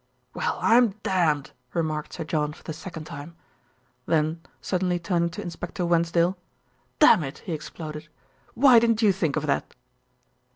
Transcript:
"Well, I'm damned!" remarked Sir John for the second time. Then suddenly turning to Inspector Wensdale, "Dammit!" he exploded, "why didn't you think of that?"